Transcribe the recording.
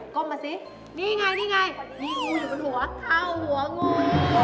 ก้มมาสินี่ไงนี่ไงนี่งูอยู่บนหัวเข้าหัวงู